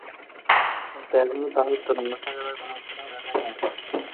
কিন্তু এখনো তাহার তোরঙ্গ সাজাইবার কোনো উৎসাহ দেখা যায় নাই।